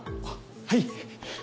あっはい。